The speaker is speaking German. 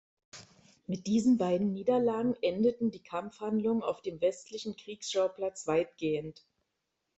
Mit diesen beiden Niederlagen endeten die Kampfhandlungen auf dem westlichen Kriegsschauplatz weitgehend.